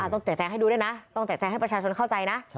แจกแจงให้ดูด้วยนะต้องแจกแจงให้ประชาชนเข้าใจนะ